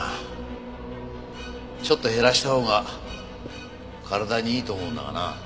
ちょっと減らしたほうが体にいいと思うんだがな。